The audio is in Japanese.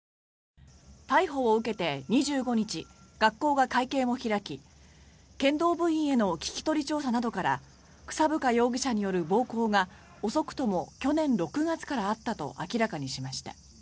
逮捕を受けて２５日学校は会見を開き剣道部員への聞き取り調査などから草深容疑者による暴行が遅くとも去年６月からあったと明らかにしました。